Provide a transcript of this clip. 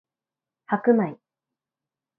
白米